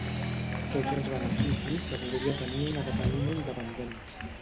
Tots els beneficis que podria tenir una Catalunya independent.